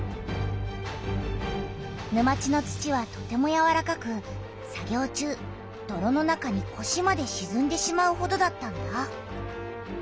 沼地の土はとてもやわらかく作業中どろの中にこしまでしずんでしまうほどだったんだ。